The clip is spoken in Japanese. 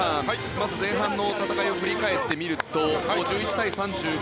まず前半の戦いを振り返ってみると５１対３５。